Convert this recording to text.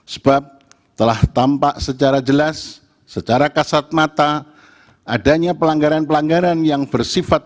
sebab telah tampak secara jelas secara kasat mata adanya pelanggaran pelanggaran yang bersifat